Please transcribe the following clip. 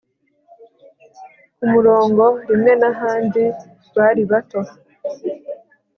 ku murongo rimwe, n'ahandi, bari bato